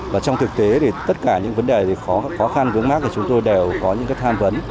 và trong thực tế thì tất cả những vấn đề thì khó khăn vướng mắt thì chúng tôi đều có những cái tham vấn